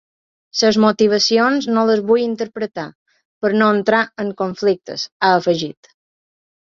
Les motivacions no les vull interpretar, per no entrar en conflictes, ha afegit.